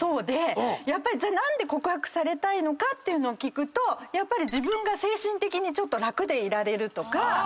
じゃあ何で告白されたいのかっていうのを聞くとやっぱり自分が精神的にちょっと楽でいられるとか。